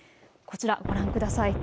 こちらご覧ください。